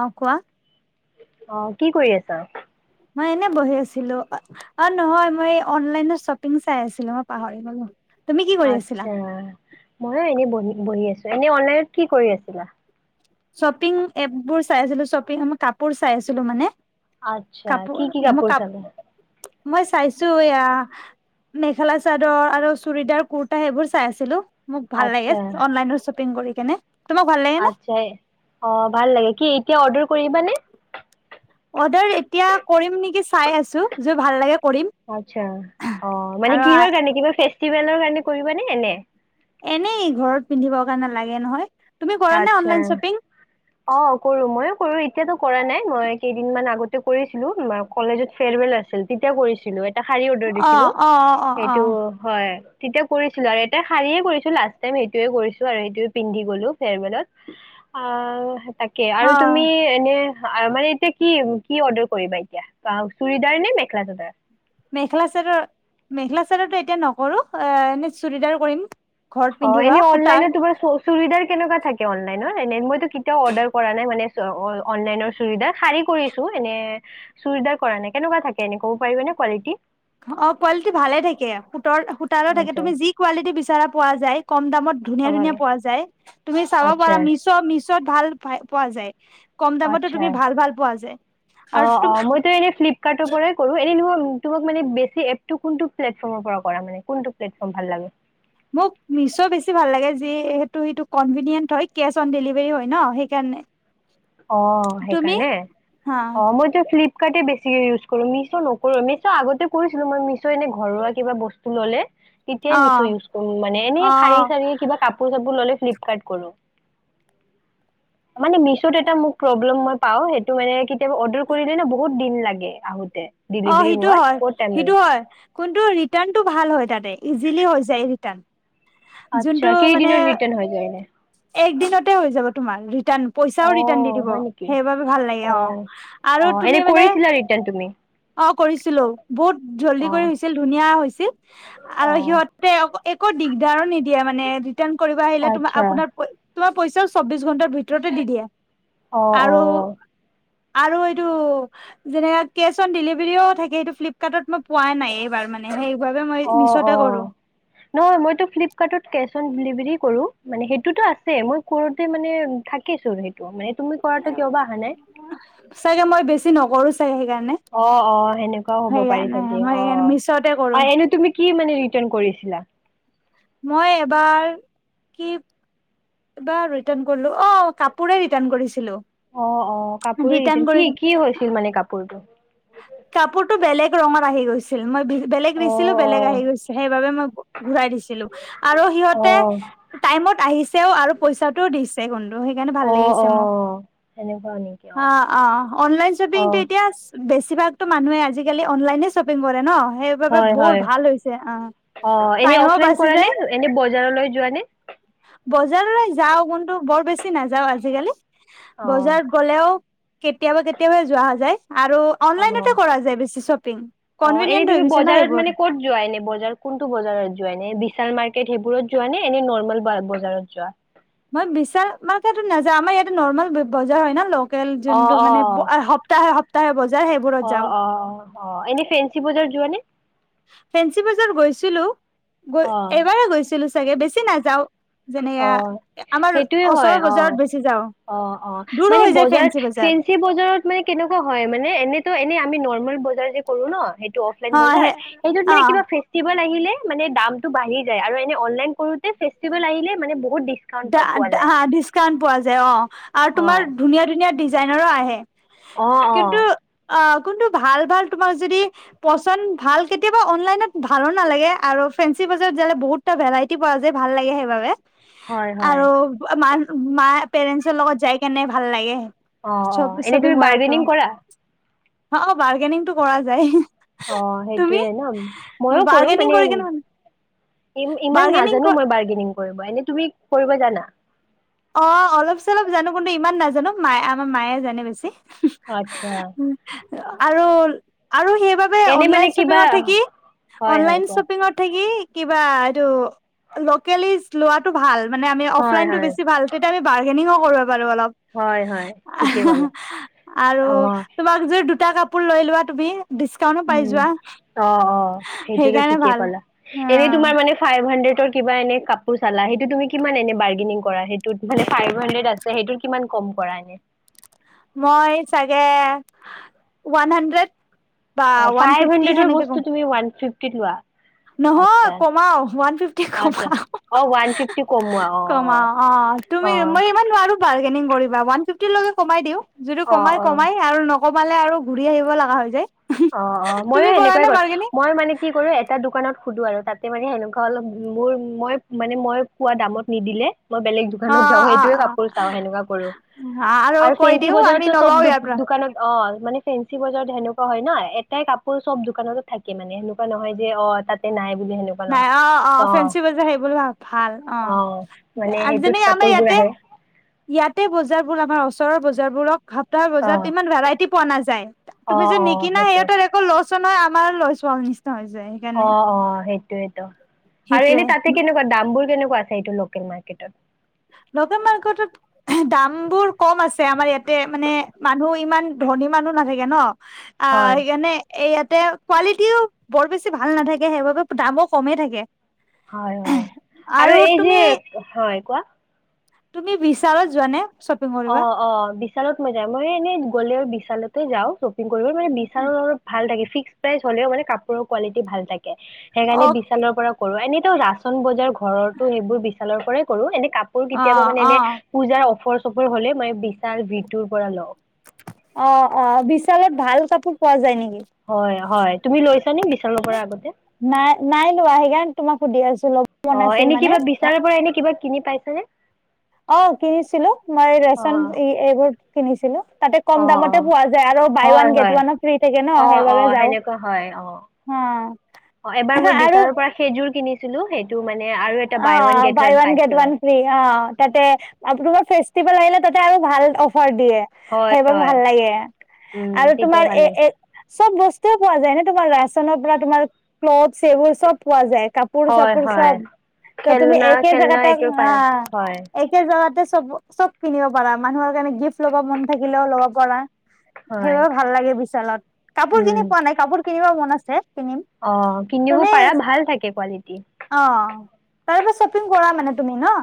অ কোৱা অ কি কৰি আছা মই এনে বহি আছিলো অ নহয় মইলাইনত শ্বপিং চাই আছিলো মই পাহৰিগলো আচ্ছা মই এনেই বহি বহি আছো এনে অনলাইনত কি কৰি আছিলা। শ্বপিং এপবোৰ চাই আছিলো শ্বপিং মই কাপোৰ চাই আছিলো মানে আচ্ছা কাপোৰ কি কি মই কাপোৰ কাপ চালা? মই চাইছো এয়া। মেখেলা চাদৰ আৰু চুৰিটাৰ কুুৰ্তা সেইবোৰ চাই আছিলো। মোক ভাল লাগে আচ্ছা অনলাইনৰ শ্বপিং কৰি কেনে তোমাক ভালাগে নে আচ্ছা অ ভাল লাগে কি এতিয়া অৰ্ডাৰ কৰিবানে অৰ্ডাৰ এতিয়া কৰিম নেকি চাই আছো যদি ভাল লাগে কৰিম আচ্ছা অ মানে আৰু কিহৰ কাৰণে কিবা ফেষ্টিভেলৰ কাৰণে কৰিব নে এনে এনেই ঘৰত পিন্ধিবৰ কাৰণে লাগে নহয়। তুমি কৰা নে আচ্ছা অনলাইন শ্বপিং অ কৰো ময়ো কৰো এতিয়াতো কৰা নাই মই কেইদিন মমান আগতে কৰিছিলো কলেজত ফেয়াৰৱেল আছিল তেতিয়া কৰিছিলো এটা শাৰী অৰ্ডাৰ অ দিছিলো অ অ অ সেইটো হয়। তেতিয়া কৰিছিলো আৰু এটা শাৰীয়ে কৰিছো লাষ্ট টাইম সেইটোয়ে কৰিছো আৰু সেইটোয়ে পিন্ধি গ'লো মেলত আহ তাকে অ আৰু অ তুমি এনে আৰু মানে এতিয়া কি কি অৰ্ডাৰ কৰিবা এতিয়া চুৰিটাৰ নে মেখেলা চাদাৰ মেখেলা চাদৰ মেখেলা আচলতে এতিয়া নকৰো অ চুৰিটাৰ কৰিম ঘৰত অ পিন্ধিবা এনে সূতাৰ অনলাইনে তোমাৰ বিধাৰ কেনেকুৱা থাকে অনলাইন এ মইটো কেতিয়াও অৰ্ডাৰ কৰা নাই মানে অনলাইনৰ চুৰিটাৰ শাৰী কৰিছো এনে চুৰিটাৰ কৰা নাই কেনেকুৱা থাকে এনেই ক'ব পাৰিবি নে কোৱালিটি অ কোৱালিটি ভালে থাকে সূতৰ সূতাৰো থাকে আচ্ছা তুমি যি কোৱালিটি বিচাৰা পোৱা যায় কম দামত ধুনীয়া ধুনীয়া হয় পোৱা যায় তুমি চাব আচ্ছা পাৰা মিছ মিছত ভাল পাই পোৱা যায়। কম দামতো আচ্ছা তুমি ভাল ভাল পোৱা যায় অ আৰু অ মইতো এনে ফ্লিপকাৰ্টৰ পৰাই কৰো এনে ন তোমাক মানে বেছি এপ টো কোনটো প্লেটফৰ্মৰ পৰা কৰা মানে কোনটো প্লেটফৰ্ম ভাল লাগে মোক মিছ' বেছি ভাল লাগে যি সেটো সেটো কনভিনিয়েণ্ হয় কেছ অন ডেলিভাৰী হয় ন সেইকাৰণে। অ তুমি সেইকাৰণে হা অ মইতো ফ্লিপ বেছিকে ইউজ কৰোঁ মিছো নকৰো আমি আগতে কৰি মিছ এনে ঘৰুৱা কিবা বস্তু ললে তেতিয়াই অ মিছ ইউচ কৰো মানে এনে শাৰী অ চাৰি কিবা কাপোৰ চাপোৰ ললে ফ্লিপ ঠাইত কৰোঁ মানে মিচ তোত এটা মোক প্ৰব্লেম মই পাওঁ সেইটো মানে কেতিয়াবা অৰ্ডাৰ কৰিলে ন বহুত দিন লাগে আহোতে অ ডেলিভাৰী সেইটো হোৱাত হয় বহুত টাইম লাগে। সেইটো হয় কোনটো ৰিটাৰ্ণটো ভাল হয় তাতে ইজিলি হৈ যায় ৰিটাৰ্ণ যোনটো আচ্ছা মানে কেইদিনৰ ৰিটাৰ্ণ হৈ যায় এনে এক দিনতে হৈ যাব তোমাৰ ৰিটাৰ্ণ পইচাও ৰিটাৰ্ণ দি অ', দিব হয় নেকি? সেইবাবে ভাল লাগে অ অ আৰু এনে তুমি মানে কৰিছিলা ৰিটাৰ্ণ তুমি অ কৰিছিলো বহুত জলদী অ কৈ আহিছিল ধুনীয়া হৈছিল অ আৰু সিহঁতে একো দিগদাৰো নিদিয়ে মানে ৰিটাৰ্ণ কৰিব আহিলে তুমা আচ্ছা আপোনা তোমাৰ পইচাও চৌবিশ ঘণ্টাৰ ভিতৰতে দি দিয়ে অঁ অ আৰু আৰু এইটো যেনেকা কেচ ত ডেলিভাৰীও থাকে সেইটো ফ্লিপকাৰ্টত মই পোৱা নাই এইবাৰ মানে হেই অ অ নহয় মইতো ফ্লিপকাৰ্টত কেচ কেচ অন ডেলিভাৰী কৰো মানে সেইটোতো আছে মই কৰোতে মানে থাকি চোন সেইটো মা চাগে মই বেছি নকৰোঁ অ অ সেনেকুৱাও হ'ব পাৰি সেইকাৰণে চাগে মই অ সেইকাৰণে মিছতে কৰো অ এনে তুমি কি মানে ৰিটাৰ্ণ কৰিছিলা মই এবাৰ কি এবাৰ ৰিটাৰ্ণ কৰিলো অ কাপোৰে ৰিটাৰ্ণ কৰিছিলো অ অ কাপোৰে ৰিটাৰ্ণ কি কি হৈছিল মানে কাপোৰটো কাপোৰটো বেলে বেলেগ ৰঙত আহি গৈছিল মই ভি বেলেগ অ দিছিলো বেলেগ আহি অ গৈছে সেইবাবে মই ঘূ ঘূৰাই দিছিলো আৰু অ সিহঁতে টাইমত আহি তেওঁ আৰু পইচাটোও দিছে আৰু সেইকাৰণে ভাল অ অ লাগিছে মো। সেনেকুৱা নেকি অ অ অনলাইন অ শ্বপিঙটো এতিয়া বেছিভাগতো মানুহে আজিকালি অনলাইনে শ্বপিং কৰে ন সেইবাবে হয় বৰ হয় ভাল হৈছে অ অ এনে টাইমো অফলাইন বাচি কৰা যায় নে এনে বজাৰলৈ যোৱা নে বজাৰলৈ যাওঁ কোনটো বৰ বেছি নেযাও আজিকালি অ', বজাৰত গ'লেও কেতিয়াবা কেতিয়াবাই যোৱা যায় আৰু অ অনলাইনতে কৰা যায় বেছি শ্বপিং অ এনে কনভিনিয়েণ্ট হৈ তুমি গৈছে ন বজাৰত সেইবোৰ মানে ক'ত যোৱা এনে বজাৰ কোনটো বজাৰত যোৱা এনে বিশাল মাৰ্কেট ত সেইবোৰত যোৱা নে এনে নৰ্মেল বজাৰত যোৱা মই বিশাল ৰ্মাকেটত নেযাওঁ আমাৰ ইয়াতে নৰ্মেল বজাৰ হয় ন লকেল কেল অ', যোনটো মানে সপ্তাহে সপ হব অ অ অ অ এনে ফেঞ্চি বজাৰ যোৱা নে ফেনশি বজাৰ গৈছিলো গৈ অ'। এইবাৰে গৈছিলো চাগে বেছি নাযাও অ যেনেকা আমাৰ সেইটোয়ে হয় ওচৰৰ অ বজাৰত বেছি যাওঁ অ অ দূৰ মানে হৈ যায় বজাৰত ফেঞ্চি বজাৰ ফেঞ্চি বজাৰত মানে কেনেকুৱা হয় মানে এনেটো এনে আমি ৰ্নমেল ৰ্নমেল বজাৰ যে কৰো ন অফলাইন অ বজাৰ সে সেইটোত অ মানে কিবা ফেচটিভেল আহিলে মানে দামটো বাঢ়ি যায় আৰু এনে অনলাইন কৰোতে ফেচটিভেল আহিলে মানে বহু ডা ডা ডিচকাউন্ট পোৱা যায় অ আৰু হয় তোমাৰ ধুনীয়া ধুনীয়া ডিচ ডিজাইনৰো আহে অ অ কিন্তু অ কোনটো ভাল ভাল তোমাৰ যদি পচন ভাল কেতিয়াবা অনলাইনত ভালো নালাগে আৰু ফেন্সি বজাৰ যালে বহুতা ভেৰাইতি পোৱা যায় যে ভাল লাগে সেইবাবে হয় হয় আৰু মাৰ মাৰ পেৰেন্টছৰ লগত যাই কেনে ভাল লাগে অ অ এনেই তুমি বাৰ্গেনিং কৰা অ অ বাৰগেনিক অ তুমি? সেইটোয়ে ন মইও কৰো বাৰ্গেনিং মানে কৰি কেনে ইমান বাৰ্গেনিং নাজানো কৰ মই বাৰ্গেনিং কৰিব এনে তুমি কৰিব জানা অ', অলপ চলপ জানো কিন্তু ইমান নাজানো মায়ে আমাৰ মায়ে জানে বেছি আচ্ছা আৰু আৰু সেইবাবে এনে মানে অনলাইন কিবা শ্বপিঙত থাকি হয় হয় অনলাইন কোৱা শ্বপিঙত থাকি কিবা এইটো লোকেলিজ লোৱাটো ভাল মানে আমি হয় অফলাইনটো হয় বেছি তেতি আমি বাৰগনিংও কৰিব আৰু অলপ হয় হয় ঠিকেই ক'লা আৰু অ তোমাক পতা কাপোৰ লৈ লোৱা তটো বি উ অ অ সেইটোতো সেইকাৰণে ঠিকেই ভাল কলা এনেই অ', তোমাৰ মান ফাইভ হানড্ৰেড কিবা এনে কাপোৰ চালা সেইটো তুমি কিমান এনে বাৰ্গেনিং কৰা সেইটো মানে ফাইভ হাড্ৰেড আছে সেইটোত কিমান কম পৰা ন মই চাগে ওৱান হানড্ৰেড অ ফাইভ হাড্ৰেডৰ বস্তু তুমি ওৱানফি কি থোৱা নহয় কমাও ওৱান ফিফটি আচ্ছা কমাও অ ওৱান ফিফটি কমোৱা অ কমাও অ অ তুমি মই ইমান নোৱাৰো বাৰগেং ৱান ফিফটিলকেমাই দিওঁ। যিটো অ কমাই অ অ কমাই আৰু ন কমালে আৰু ঘূৰি আহিব লগা হৈ যায় অ অ ময়ো তুমি কৰা সেনেকুৱাই নে কৰো বাৰ্গেনিং মই মানে কি কৰো এটা দোকানত। সোধো আৰু তাতে মানে সেনেকুৱা অলপ মোৰ মই মানে মই পোৱা দামত নিদিলে মই বেলেগ দোকানত যাও অ', অ', সেইটোয়ে অ'। কাপোৰ চা সেনেকুৱা কৰো আৰু কৈ ফেঞ্চি দিও আমি বজাৰতো চব নলও ইয়াৰ পৰা দোকানত অ মানে ফেঞ্চি বজাৰ তেনেকুৱা হয় ন এটাই কাপোৰ চব দোকানত থাকে মানে সেনেকুৱা নহয় যে অ তাতে নাই বুলি সেনেকুৱা নাই নহয় অ অ ফেঞ্চি বজাৰ সেইবোৰ ভ ভাল অ মানে সেইটোত যেনে আমাৰ কাপোৰবোৰ ইয়াতে আহে ইয়াতে বজাৰ বোৰ আমাৰ ওচৰৰ বজাৰবোৰক সপ্তাহৰ অ বজাত ইমান ভেৰাইটি পোৱা নাযায় অ তুমি যে অ নিকিনা সেইটো সিহঁতৰ একো লচ নয় আমাৰ লৈছোৱা নিশিনা হৈ যায় সেইকাৰণে। সেইটোৱেত আৰু সেইটোয়ে। এনে তাতে কেনেকুৱা দামবোৰ কেনেকুৱা এইটো লোকেল মাৰ্কেটত লোকেল মাৰ্কেটত দাম বোৰ কম আছে আমাৰ ইয়াতে মানে মানুহ ইমান ধনী মানুহ নাথাকে ন অ হয় সেইকাৰণে এইয়াত তে কোৱালিটিও বৰ বেছি ভাল নাথাকে সেইবাবে দামো কমেই থাকে। হয় হয় আৰু এই যে হয় কোৱা তুমি বিচাৰত যোৱাানে অ অ বিশালত মই যাই মই এনেই গ'লে আৰু বিশালতে যাওঁ কৰিব মানে বিচাৰো অলপ ভাল লাগিছে। ফিক্স প্ৰাইচ হলেও মান কাপোৰ কোৱালি ভাল থাকে সেইকাৰণে অ বিশালৰ পৰা কৰ এনেইতো ৰাচন বজাৰ ঘৰৰতটো সেইবোৰ বিালৰ কৰে কৰো এনে কাপোৰ অ কেতিয়াবা মানে অ এনে পূজাৰ চৰ হলে মই বিচাৰ ভটোৰ পৰা লওঁ অ অ বিশালত ভাল কাপোৰ পোৱা যায় নেকি হয় হয় তুমি লৈছানে বিচালৰ পৰা আগতে নাই নাই লোৱা সেইকাৰণে তোমাক সুধি আছো ল'ব মন অ আছিল এনে মানে কিবা বিচালৰ পৰা এনে কিবা কিনি পাইছ নে অ কিনিছিলো মই ৰেচন অঁ এইবোৰ কিনিছিলো। তাতে কম অঁ দামতে অঁ পোৱা যায় আৰু বাই হয় ওৱান গেট হয় ওৱানো ফ্ৰী থাকে ন অঁ অঁ সেইবাবে যাওঁ সেনেকুৱা হয় অঁ অ আৰু ছিলো সেইটো মানে আৰু এটা অ buy one get buy one ৱ গে পাইছো। ৱ থ্ৰী অ ততে আপোনোক ফে পেল আহিলে তাতে আৰু ভাল ঘ দিয়ে হয় সেইবাৰ হয় ভাল লাগে উম আৰু তেতিয়া তোমাৰ ভাল লাগে এ চব ব্তু পোৱা যায় ন তোমাৰ ৰাচনৰ পৰা তোমাৰ ক্লথছ এইবোৰ চব পোৱা যায়। কাপোৰ হয় চাপোৰ হয় চব ত তুমি খেলনা একে জ খেলনা ত এইটো পাই হয় একে তাতে চব চব কিনিব পাৰা মানুহৰ কাৰণে গিফ্ট লব মন থাকিলেও ল'ব পাৰা হয় সেইবাবে ভাল লাগে বিশালত কাপোৰ উম কিনি পোৱা নাই কাপোৰ কেতিবা মন আছে কিনিম অ কিনিব তুমি পাৰা ভাল থাকে কোৱালিটি অ তাৰ পৰা শ্বপিং কৰা মানে তুমি ন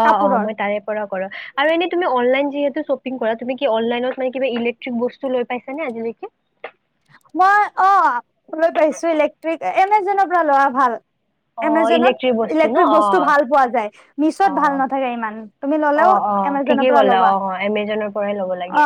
অ অ কাপোৰৰ মই তাৰে পৰা কৰো আৰু এনলাইন তুমি ইয়তে শ্বপিং কৰা তুমি অনলাইনত গৈ পিনে ইলেকট্ৰিক বস্তু লৈ পাইছানে আজিলেকে মই অ লৈ পাইছো ইলেক্ট্ৰিক এমেজনৰ পৰা লৰা ভাল অ এমাজত ইলেক্ট্ৰিক বস্তু ন ইলেক্ট্ৰিক অ বস্তু ভাল পোৱা যায় মিছত অ ভাল নাথাকে ইমান তুমি অ ললেও অ এমেজনৰ ঠিকে পৰা কলা ল'বা অ অ এমজনৰ পৰাই ল'ব অ লাগে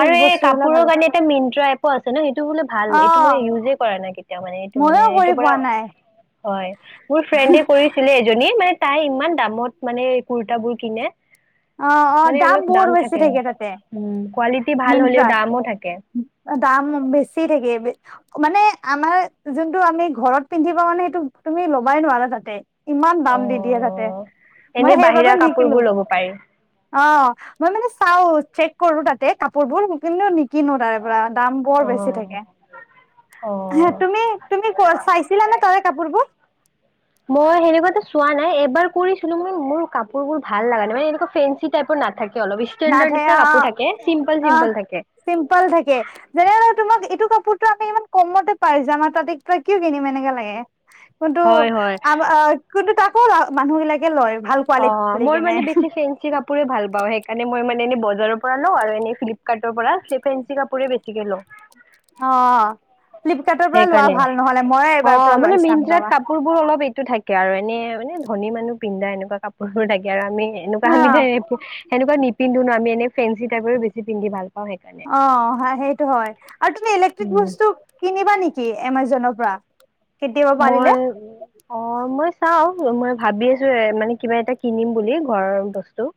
আৰু এই বস্তুবিলাক কাপোৰৰ ভাল কাৰণে এটা মিট্ৰা এপো আছে ন সেইটো বলে ভাল এইটো মই ইউজে কৰা নাই কেতিয়াও মানে এইটো মানে ময়ও এইটোৰ কৰি পৰা পোৱা নাই। হয় মোৰ ফ্ৰেণ্ডে কৰিছিলে এজনী মানে তাই ইমান দামত মানে কুৰ্ত বোৰ কিনে অ অ দাম বহুত বেছি থাকে তাতে কোৱালিটি ভাল হলেও মট্ৰাত দামো থাকে দাম বেছি থাকে মানে আমাৰ যোনটো আমি ঘৰত পিন্ধিবা মানে সেইটো তুমি ল'বাই নোৱাৰা তাতে ইমান দাম অ দি দিয়ে তাতে মই এনেই সেইবাবে বাহিৰা লিকিলো কাপোৰবোৰ ল'ব পাৰি অ মই মানে চাওঁতে কৰো তাতে কাপোৰ বোৰ নিপিন্ধু কিনো তাৰে পৰা দাম বৰ বেছি থাকে অ অ হ তুমি তুমি চাইছিলা নে তাৰে কাপোৰবোৰ মই সেনেকুৱাো চোৱা নাই এবাৰ কৰিছিলো মানে মোৰ কাপোৰ বোৰ ভাল লগা নে মানে এনেকুৱা ফেঞ্চি টাইপৰ নাথাকে অলপ ষ্টেণ্ডাৰ্ড নাথে নিচিনা অ কাপোৰ থাকে চিম্পল অ চিম্পল থাকে চিম্পল থাকে যেনে তোমাক এইটো কাপোৰ আমি ইমান কমতে পাই যাম আাৰ তাতে তই ক কি কিনিম এনেকে লাগে। কিন্তু হয় হয় আম কিন্তু তাত মানুহ বিলাকে লয় ভাল অ কোৱালিটি বুলি মই কেনে মানে বেছি ফেঞ্চি কাপ ৰে ভাল পা সেইকাৰণে মই মানে পৰা ন আৰু এনে ফ্লিপকাৰ্টৰ পৰা ফেঞ্চি কাপোৰে বেছি গেলো অ ফ্লিপকাৰ্টৰ পৰা লোৱা সেইকাৰণে ভাল নহলে ময়ে অ এইবাৰ পৰা মানে লৈ চাম মিন্ত্ৰাত ৰাবা কাপোৰ বোৰ অলপ এইটো থাকে আৰু এনে মানে ধনী মানুহ পিন্ধা এনেকুৱা কাপোৰবোৰ থাকে আৰু আমি এনেকুৱা আমি সেনেুৱা পিন্ধ ন আমিনে অ সেইটো হয় আৰু তুমি ইলেক্ট্ৰিক উম বস্তু কিনিবা নেকি কি এমাজনৰ পৰা কেতিয়াবা পাৰিলে মই অ মই চাও মই ভাবি আছো এ মানে কিবা এটা কিনিম বুলি ঘৰৰ বস্তু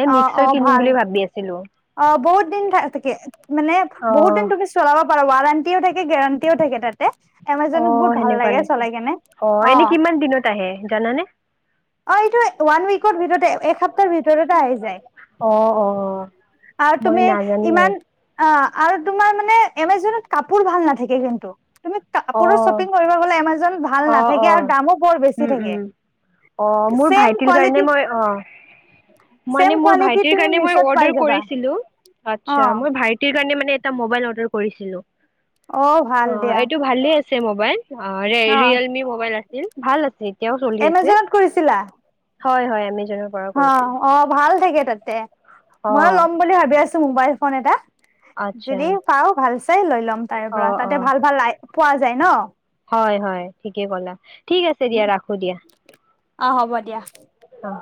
এ অ মিক্সাৰ অ কিনিম ভাল বুলি ভাবি আছিলো অ বহুত দিন তাকে মানে বহুত দিন অ তুমি চলাবা ৱাৰেণ্টিও থাকে গেৰাণ্টিও থাকে তাতে অ এমাজনত বহুত ভাল সেনেকুৱা লাগে নেকি চলাই কেনে অ এনে কিমান দিনত আহে জানানে অ' এইটো ৱান উইকৰ ভিততে এসপ্তাহ ভিতৰতে আহি যায় অ অ আৰু মই তুমি নাজানোৱে ইমান আৰু তোমাৰ মানে এমাজনত কাপোৰ ভাল নাথাকে কিন্তু তুমি অ কাপোৰো শ্বপিং কৰিব গ'লে এমাজন ভাল অ অ নাথাকে আৰু দামো বৰ বেছি থাকে। অ' মোৰ ছেম ভাইটিৰ কাৰণে কোৱালিটি মই অ' ছেম মানে মোৰ কোৱালিটি ভাইটিৰ তুমি কাৰণে মই মিছত পাই অৰ্ডাৰ যাবা কৰিছিলো, আচ্ছা অ' মোৰ ভাইটিৰ কাৰণে মানে এটা মোবাইল অৰ্ডাৰ কৰিছিলো। অ' ভাল দিয়া অ' অ'এইটো ভালে আছে মোবাইল যে ৰিয়েলমি মোবাইল আছিল, ভাল আছে, এতিয়াও চলি আছে। এমাজনত কৰিছিলা হয়-হয় এমাজন অ', -অ' ভাল থাকে। তাতে। অ মই ল'ম বুলি ভাবি আছো। মোবাইল ফোন এটা। আচ্ছা যদি পাওঁ ভাল চাই এই লৈ লওক। তাইৰ অ পৰা অ তাতে ভাল-ভাল আই পোৱা যায় ন? হয়- হয় ঠিকেই ক'লা। ঠিক আছে দিয়া ৰাখো দিয়া। অ হ'ব দিয়া। অহ।